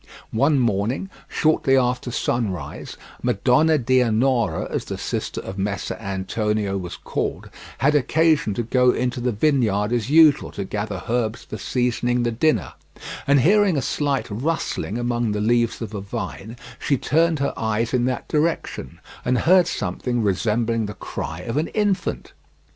One morning, shortly after sunrise, Madonna Dianora, as the sister of Messer Antonio was called, had occasion to go into the vineyard as usual to gather herbs for seasoning the dinner, and hearing a slight rustling among the leaves of a vine she turned her eyes in that direction, and heard something resembling the cry of an infant.